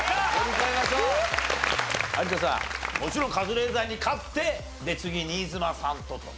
もちろんカズレーザーに勝って次新妻さんとと。